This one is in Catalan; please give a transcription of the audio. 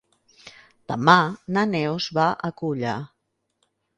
Demà na Neus va a Culla.